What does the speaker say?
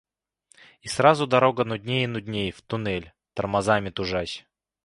И сразу дорога нудней и нудней, в туннель, тормозами тужась.